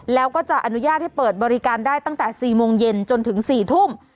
แล้วก็จะอนุญาตให้เปิดบริการได้ตั้งแต่๔โมงเย็นจนถึง๔ทุ่ม